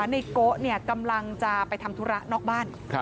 ในโกะกำลังจะไปทำธุระนอกบ้าน